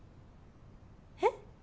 えっ？